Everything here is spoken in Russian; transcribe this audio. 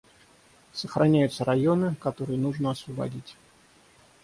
Сохраняются районы, которые нужно освободить.